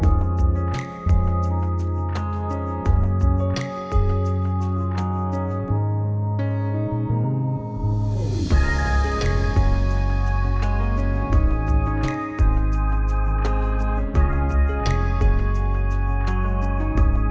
วันที่สุดท้ายเกิดขึ้นเกิดขึ้น